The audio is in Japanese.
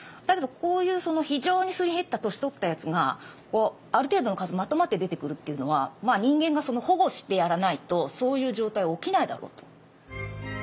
だけどこういう非常にすり減った年取ったやつがある程度の数まとまって出てくるっていうのは人間が保護してやらないとそういう状態は起きないだろうと。